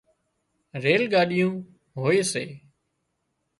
ريل ڳاڏيون هوئي سي